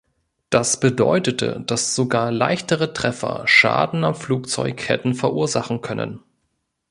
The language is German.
Das bedeutete, dass sogar leichtere Treffer Schaden am Flugzeug hätten verursachen können.